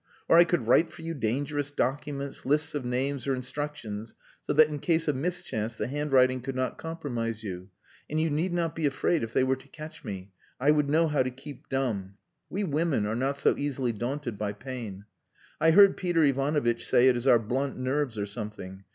Or I could write for you dangerous documents, lists of names or instructions, so that in case of mischance the handwriting could not compromise you. And you need not be afraid if they were to catch me. I would know how to keep dumb. We women are not so easily daunted by pain. I heard Peter Ivanovitch say it is our blunt nerves or something.